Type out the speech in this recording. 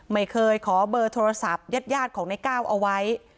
ไม่เคยขอเบอร์โทรศัพท์ญาติของในก้าวเอาไว้